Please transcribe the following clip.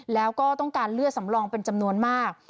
แล้วก็ต้องการเลือดสำรองเป็นจำนวนมาก